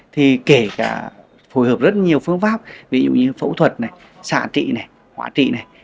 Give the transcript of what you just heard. thì kể cả phù hợp rất nhiều phương pháp ví dụ như phẫu thuật sạ trị hóa trị này